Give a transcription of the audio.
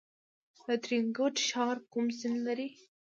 ترینکوټ ښار کوم سیند لري؟